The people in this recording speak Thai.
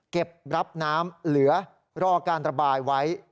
เก็บรับน้ำเหลือรอการระบายไว้